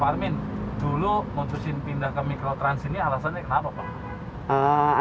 pak armin dulu memutuskan pindah ke mikrotrans ini alasannya kenapa pak